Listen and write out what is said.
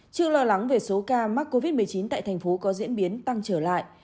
trước lo lắng về số ca mắc covid một mươi chín tại tp hcm có diễn biến tăng trở lại